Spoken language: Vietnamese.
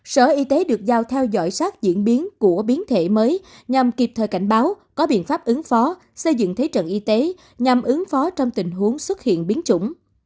sở y tế được giao theo dõi sát diễn biến của biến thể mới nhằm kịp thời cảnh báo có biện pháp ứng phó xây dựng thế trận y tế nhằm ứng phó trong tình huống xuất hiện biến chủng